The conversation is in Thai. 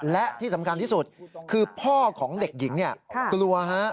และที่สำคัญที่สุดคือพ่อของเด็กหญิงเนี่ยกลัวฮะ